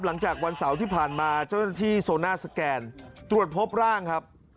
หลังจากวันเสาร์ที่ผ่านมาเจ้าหน้าที่โซน่าสแกนตรวจพบร่างครับ